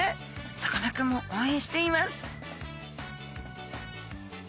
さかなクンもおうえんしています